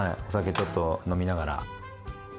お酒ちょっと飲みながら。